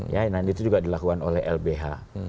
ya nanti itu juga dilakukan oleh lbh